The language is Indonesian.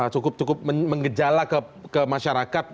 cukup cukup mengejala ke masyarakat